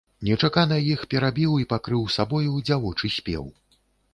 Нечакана іх перабіў і пакрыў сабою дзявочы спеў.